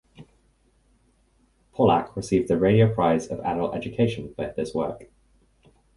Pollak received the "Radio Prize of Adult Education" for this work.